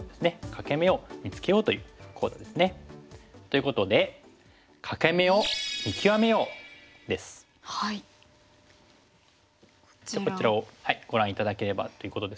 欠け眼を見つけようという講座ですね。ということでこちらをご覧頂ければということですけども。